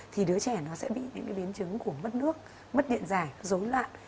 thì đứa trẻ nó sẽ bị những biến chứng của mất nước mất điện dài dối loạn